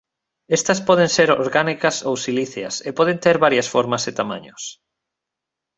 Estas poden ser orgánicas ou silíceas e poden ter varias formas e tamaños.